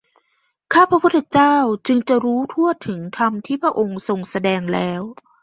ข้าพระพุทธเจ้าจึงจะรู้ทั่วถึงธรรมที่พระองค์ทรงแสดงแล้ว